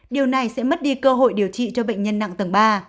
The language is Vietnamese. điều này sẽ mất đi cơ hội điều trị cho bệnh nhân nặng tầng ba